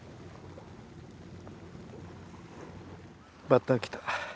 バッタ来た。